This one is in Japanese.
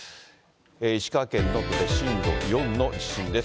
石川県能登で震度４の地震です。